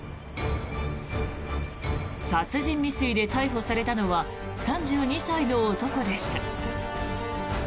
殺人未遂で逮捕されたのは３２歳の男でした。